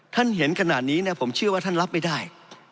ท่านเห็นขนาดนี้เนี่ยผมเชื่อว่าน่าท่านรับไม่ได้